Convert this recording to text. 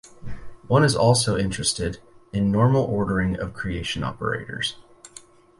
One is also interested in normal ordering of creation operators.